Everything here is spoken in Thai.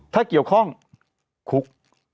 ถ้าเกี่ยวข้องคุก